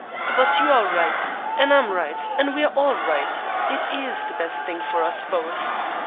But you are right and I'm right, and we are all right it is the best thing for us both.